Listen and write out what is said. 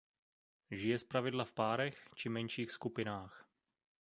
Žije zpravidla v párech či menších skupinách.